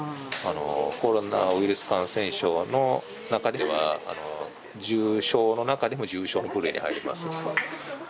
コロナウイルス感染症の中では重症の中でも重症の部類に入ります。